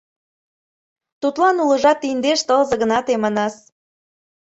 Тудлан улыжат индеш тылзе гына темыныс.